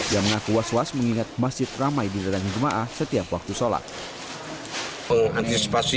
yang mengaku was was mengingat masjid ramai di terdiri rumah setiap waktu sholat